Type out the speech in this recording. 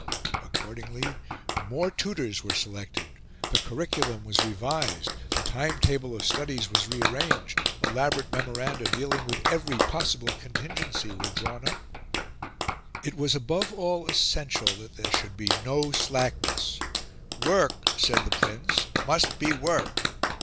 Accordingly, more tutors were selected, the curriculum was revised, the time table of studies was rearranged, elaborate memoranda dealing with every possible contingency were drawn up. It was above all essential that there should be no slackness: "Work," said the Prince, "must be work."